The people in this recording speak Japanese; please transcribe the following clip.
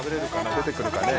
出てくるかね？